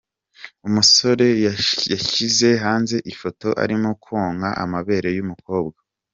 umusore yashyize hanze ifoto arimo konka amabere y’umukobwa .